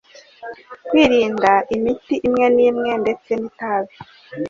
Kwirinda imiti imwe n'imwe ndetse n'itabi